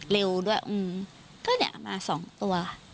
เร็วด้วยก็เนี่ยมา๒ตัว